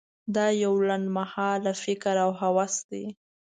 دا یو لنډ مهاله فکر او هوس دی.